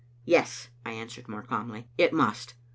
"Yes," I answered more calmly, "it must be.